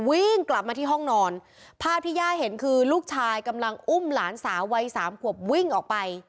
วิ่งกลับมาที่ห้องนอนภาพที่ย่าเห็นคือลูกชายกำลังอุ้มหลานสาววัยสามขวบวิ่งออกไป